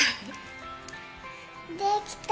できた！